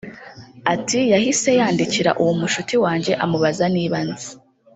Ati “Yahise yandikira uwo mushuti wanjye amubaza niba anzi